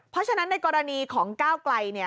เพราะฉะนั้นในกรณีของก้าวไกล